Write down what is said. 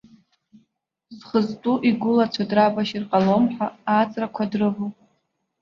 Зхы зтәу игәылацәа драбашьыр ҟалом ҳәа ааҵрақәа дрывоуп.